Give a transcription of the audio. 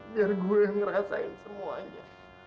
biar gue ngerasain semuanya